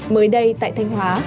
mới đây tại thanh hóa